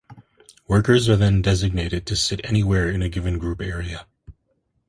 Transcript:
Workers are then designated to sit anywhere in a given group area.